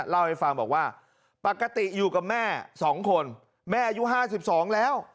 เล่าให้ฟังบอกว่าปกติอยู่กับแม่๒คนแม่อายุ๕๒แล้ว